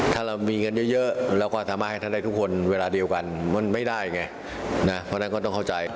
ถ้าเรามีเงินเยอะเราก็สามารถให้ท่านได้ทุกคนเวลาเดียวกันมันไม่ได้ไงนะเพราะฉะนั้นก็ต้องเข้าใจ